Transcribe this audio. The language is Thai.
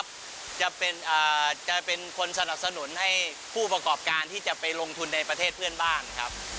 ก็จะเป็นคนสนับสนุนให้ผู้ประกอบการที่จะไปลงทุนในประเทศเพื่อนบ้านครับ